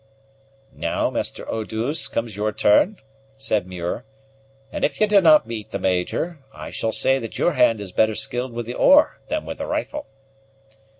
"Now, Master Eau douce, comes your turn," said Muir; "and if you do not beat the Major, I shall say that your hand is better skilled with the oar than with the rifle."